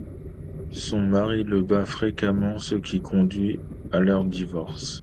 Son mari la bat fréquemment, ce qui conduit à leur divorce.